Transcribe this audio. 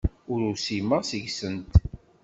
Ur usimeɣ seg-sent.